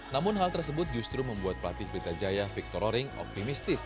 namun hal tersebut justru membuat pelatih blitajaya victor loring optimistis